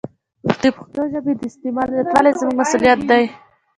د پښتو ژبې د استعمال زیاتول زموږ مسوولیت دی.